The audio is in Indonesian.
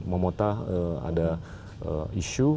atau memotah ada isu